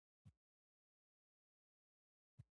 په افغانستان کې د هرات منابع شته.